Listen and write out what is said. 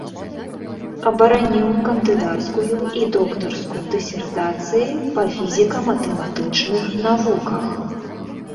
Абараніў кандыдацкую і доктарскую дысертацыі па фізіка-матэматычных навуках.